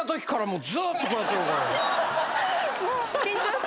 もう。